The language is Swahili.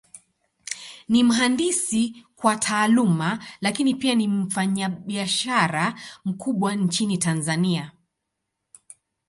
Ni mhandisi kwa Taaluma, Lakini pia ni mfanyabiashara mkubwa Nchini Tanzania.